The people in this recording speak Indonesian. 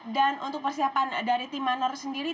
dan untuk persiapan dari tim manor sendiri